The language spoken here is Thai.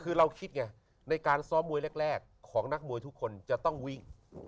คือเราคิดไงในการซ้อมมวยแรกของนักมวยทุกคนจะต้องวิ่ง